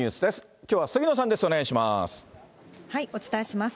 きょうは杉野さんです。